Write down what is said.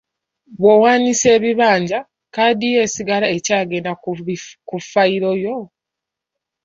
Bw'owaanyisa ekibanja, kkaadi yo esigala ekyagenda ku ffayiro yo.